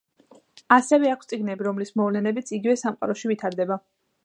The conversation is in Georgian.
ასევე აქვს წიგნები, რომლის მოვლენებიც იგივე სამყაროში ვითარდება.